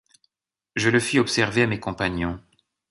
Je le fis observer à mes compagnons.